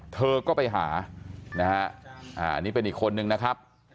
เธอก็ไปหานะฮะอันนี้เป็นอีกคนนึงนะครับ